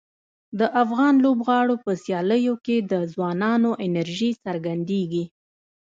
د افغان لوبغاړو په سیالیو کې د ځوانانو انرژي څرګندیږي.